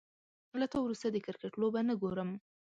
له تا وروسته، د کرکټ لوبه نه ګورم